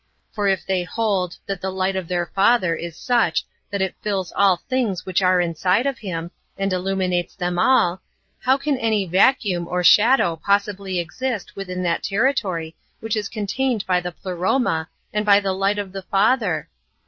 For if they hold that the light of their Father is such that it fills all things which are inside of Him, and illuminates them all, how can any vacuum or shadow pos sibly exist within that territory which is contained by the Pleroma, and by the light of the Father?